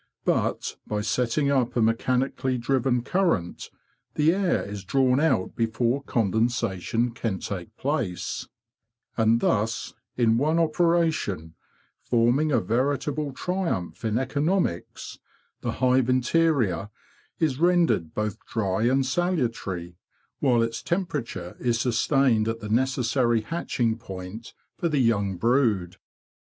But by setting up a mechani cally driven current the air is drawn out before condensation can take place, and thus, in one operation, forming a veritable triumph in economics, the hive interior is rendered both dry and salutary, while its temperature is sustained at the necessary hatching point for the young brood.